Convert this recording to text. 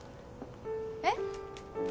えっ？